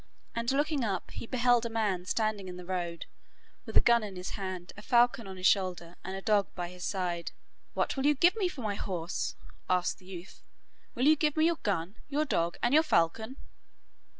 and looking up he beheld a man standing in the road with a gun in his hand, a falcon on his shoulder, and a dog by his side. 'What will you give me for my horse?' asked the youth. 'Will you give me your gun, and your dog, and your falcon?